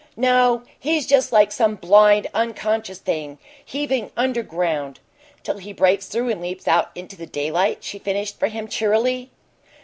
"No, he's just like some blind, unconscious thing heaving underground " "Till he breaks through and leaps out into the daylight," she finished for him, cheerily.